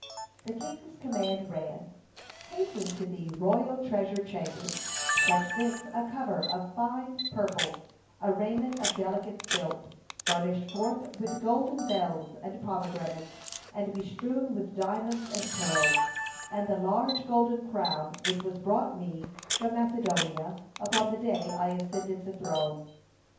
The king's command ran: "Hasten to the royal treasure chambers; fetch thence a cover of find purple, a raiment of delicate silk, furnished forth with golden bells and pomegranates and bestrewn with diamonds and pearls, and the large golden crown which was brought me from Macedonia upon the day I ascended the throne.